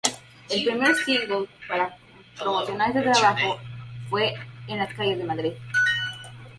El primer single para promocionar este trabajo fue "En las calles de Madrid".